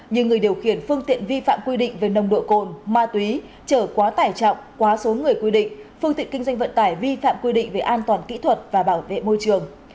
như người điều khiển phương tiện vi phạm quy định về nồng độ cồn ma túy trở quá tải trọng quá số người quy định phương tiện kinh doanh vận tải vi phạm quy định về an toàn kỹ thuật và bảo vệ môi trường